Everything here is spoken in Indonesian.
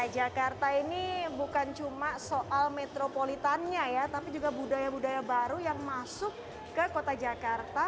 jakarta ini bukan cuma soal metropolitannya ya tapi juga budaya budaya baru yang masuk ke kota jakarta